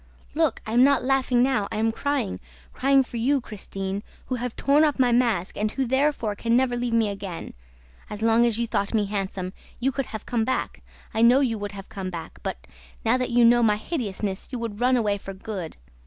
... Look, I am not laughing now, I am crying, crying for you, Christine, who have torn off my mask and who therefore can never leave me again! ... As long as you thought me handsome, you could have come back, I know you would have come back ... but, now that you know my hideousness, you would run away for good...